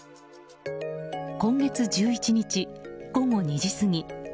今月１１日午後２時過ぎ。